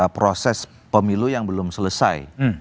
proses pemilu yang belum selesai